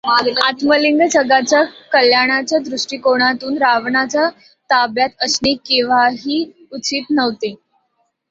आत्मलिंग जगाच्या कल्याणाच्या दृष्टिकोनातून रावणाच्या ताब्यांत असणे केव्हाही उचित नव्हते.